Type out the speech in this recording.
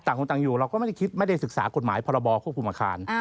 ต่างคนต่างอยู่เราก็ไม่ได้คิดไม่ได้ศึกษากฎหมายพบครับ